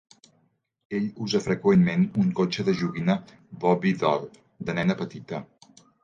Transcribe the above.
Ell usa freqüentment un cotxe de joguina Bobbie Doll de nena petita.